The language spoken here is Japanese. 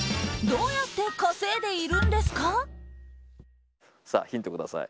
どうやって稼いでいるんですか？